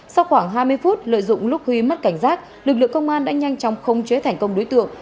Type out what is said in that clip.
sau khoảng hai mươi phút lợi dụng lúc huy mất cảnh giác lực lượng công an đã nhanh chóng không chế thành công đối tượng